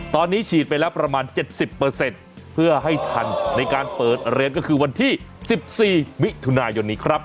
ตอนนี้ฉีดไปแล้วประมาณ๗๐เพื่อให้ทันในการเปิดเรียนก็คือวันที่๑๔มิถุนายนนี้ครับ